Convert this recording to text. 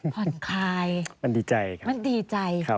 ผ่อนคลายมันดีใจครับมันดีใจ